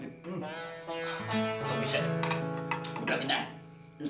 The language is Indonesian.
tomi saya udah minum